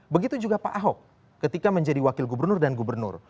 begitu juga pak ahok ketika menjadi wakil gubernur dan gubernur